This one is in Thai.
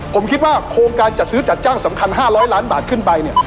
ผมคิดว่าโครงการจัดซื้อจัดจ้างสำคัญ๕๐๐ล้านบาทขึ้นไปเนี่ย